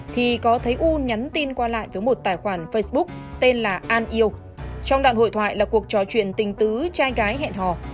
thì có thấy u nhắn tin qua lại với một tài khoản facebook tên là an yêu trong đoạn hội thoại là cuộc trò chuyện tình tứ tra hẹn hò